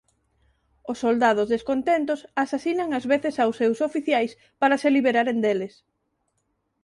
Os soldados descontentos asasinan ás veces aos seus oficiais para se liberaren deles.